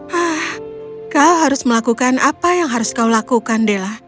hah kau harus melakukan apa yang harus kau lakukan della